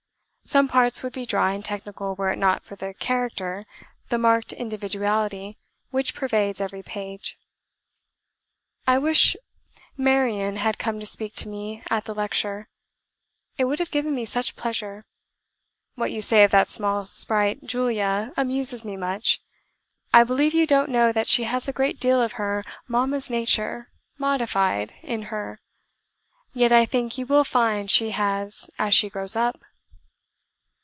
Some parts would be dry and technical were it not for the character, the marked individuality which pervades every page. I wish Marianne had come to speak to me at the lecture; it would have given me such pleasure. What you say of that small sprite Julia, amuses me much. I believe you don't know that she has a great deal of her mama's nature (modified) in her; yet I think you will find she has as she grows up.